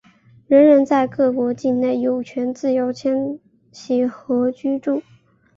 人人在各国境内有权自由迁徙和居住。